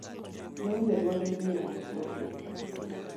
nowinjo duond miyo e toke